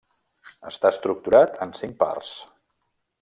Està estructurat en cinc parts.